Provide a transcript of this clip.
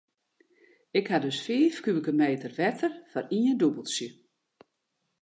Ik ha dus fiif kubike meter wetter foar ien dûbeltsje.